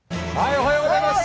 おはようございます。